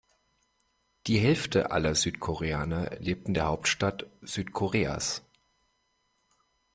Die Hälfte aller Südkoreaner lebt in der Hauptstadt Südkoreas.